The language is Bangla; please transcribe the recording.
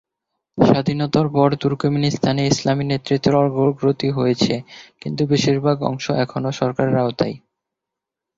স্বাধীনতার পর, তুর্কমেনিস্তানে ইসলামী নেতৃত্বের অগ্রগতি হয়েছে, কিন্তু বেশিরভাগ অংশ এখনো সরকারের আওতায়।